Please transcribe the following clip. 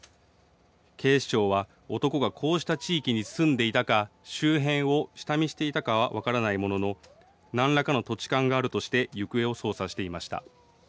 警視庁は男がこうした地域に住んでいたか、周辺を下見していたかは分からないものの何らかの土地勘があるとして行方を捜査していました。